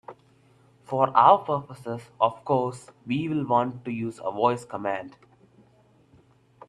For our purposes, of course, we'll want to use a voice command.